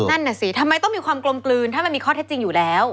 นั่นน่ะสิทำไมต้องมีความกลมกลืนถ้ามันมีข้อเท็จจริงอยู่แล้ว